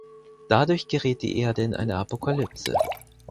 Dadurch gerät die Erde in eine Apokalypse.